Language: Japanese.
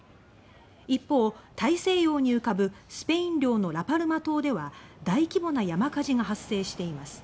一方、大西洋に浮かぶスペイン領のラパルマ島では大規模な山火事が発生しています。